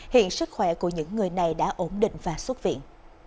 hiện sức khỏe của những người này đã ổn định và xuất viện